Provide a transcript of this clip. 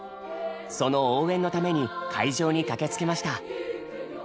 その応援のために会場に駆けつけました。